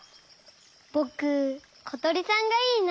ぼくことりさんがいいな。